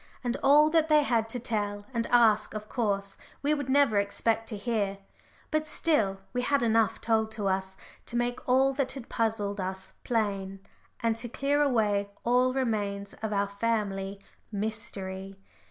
And all that they had to tell and ask of course we would never expect to hear, but still, we had enough told to us to make all that had puzzled us plain, and to clear away all remains of our family "mystery."